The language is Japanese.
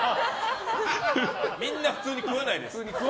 みんな普通に食わないです。